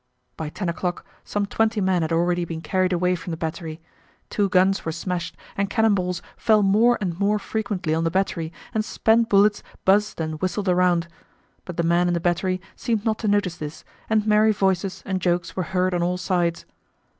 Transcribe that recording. By ten o'clock some twenty men had already been carried away from the battery; two guns were smashed and cannon balls fell more and more frequently on the battery and spent bullets buzzed and whistled around. But the men in the battery seemed not to notice this, and merry voices and jokes were heard on all sides.